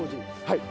はい！